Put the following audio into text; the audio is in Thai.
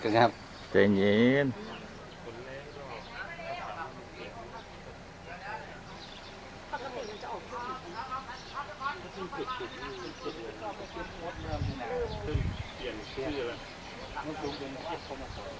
จริงแรกก็ให้จริงตอนนี้แต่ว่าเขาจะส่วนใหญ่เก็บไม่เก็บไหม